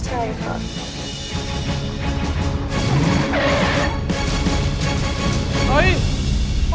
ใช่ค่ะ